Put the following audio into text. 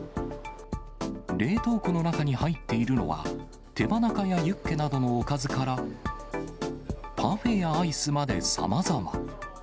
冷凍庫の中に入っているのは、手羽中やユッケなどのおかずから、パフェやアイスまでさまざま。